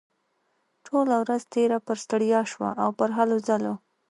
ټوله ورځ تېره پر ستړيا شوه او پر هلو ځلو.